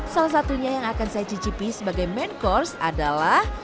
salah satunya yang akan saya cicipi sebagai main course adalah